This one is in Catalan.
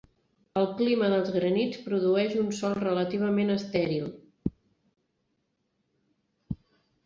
El clima dels granits produeix un sòl relativament estèril.